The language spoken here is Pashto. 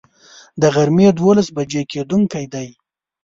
د غرمي دولس بجي کیدونکی دی